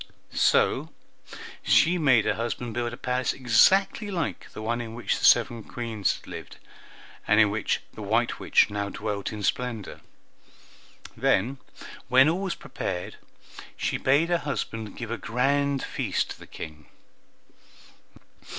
So she made her husband build a palace exactly like the one in which the seven Queens had lived, and in which the white witch now dwelt in splendor. Then, when all was prepared, she bade her husband give a grand feast to the King.